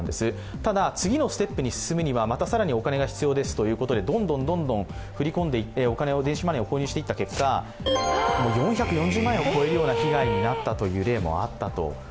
ただ、次のステップに進むにはまた更にお金が必要ですとどんどん振り込んでいって電子マネーを購入していった結果４４０万円を超えるような被害になったという例もあったと。